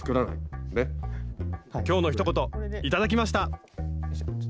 今日の一言頂きました！